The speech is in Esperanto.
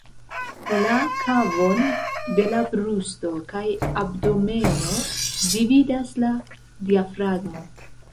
La kavon de la brusto kaj abdomeno dividas la diafragmo.